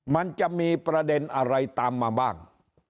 มันจะมีประเด็นอะไรตามมาบ้าง